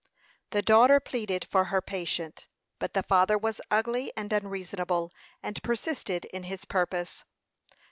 The daughter pleaded for her patient; but the father was ugly and unreasonable, and persisted in his purpose.